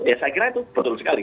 ya saya kira itu betul sekali